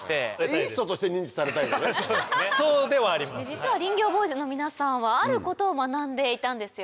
実は林業ボーイズの皆さんはあることを学んでいたんですよね。